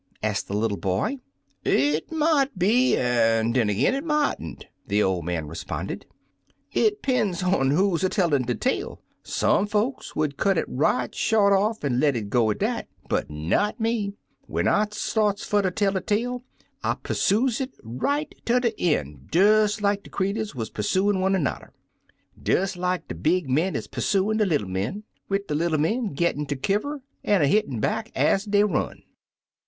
asked the little boy. " It mought be, an' den ag'in it mought n't," the old man responded. "It 'pen's on who 's a tellin' de tale. Some folks would cut it right short off an' let it go at dat, but not me. When I starts fer ter tell a tale, I pursues it right ter de en' des like 97 Uncle Remus Returns de creeturs wuz pursuin* one an'er — dcs like de big men is pursuin* de little men, wid de little men gittin' ter kiwer, an* a hittin* back ez dey run.